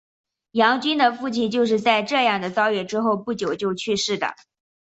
杨君的父亲就是在这样的遭遇之后不久就去世的。